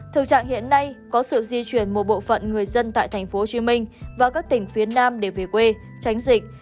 thực trạng hiện nay có sự di chuyển một bộ phận người dân tại tp hcm và các tỉnh phía nam để về quê tránh dịch